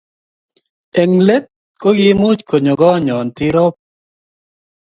Eng' let ko kiimuch konyo konyon Tirop.